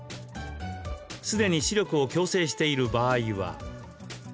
すでに視力を矯正している場合は。